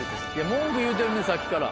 文句言うてるねさっきから。